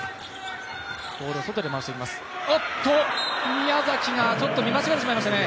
宮崎が、ちょっと見間違えてしまいましたね。